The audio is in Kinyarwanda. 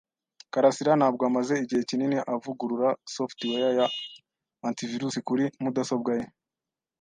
karasira ntabwo amaze igihe kinini avugurura software ya antivirus kuri mudasobwa ye.